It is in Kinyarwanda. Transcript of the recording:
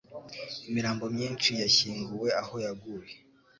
Imirambo myinshi yashyinguwe aho yaguye.